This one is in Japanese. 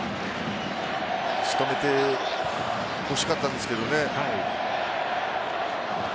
仕留めてほしかったんですけどね。